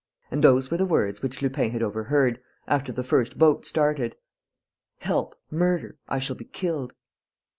And those were the words which Lupin had overheard, after the first boat started: "Help!... Murder!... I shall be killed!"